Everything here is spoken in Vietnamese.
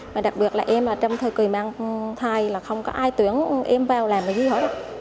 mà đặc biệt là em trong thời kỳ mang thai là không có ai tuyển em vào làm cái gì hết